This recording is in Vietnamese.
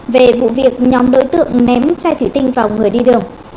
về vụ việc nhóm đối tượng ném chai thủy tinh vào người đi đường